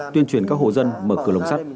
tuyên truyền các hồ dân mở cửa lồng sắt